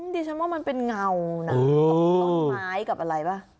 ดิฉันว่ามันเป็นเงานะกับต้นไม้กับอะไรป่ะ